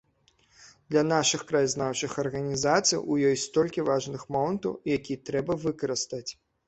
Для нашых краязнаўчых арганізацый у ёй столькі важных момантаў, якія трэба выкарыстаць.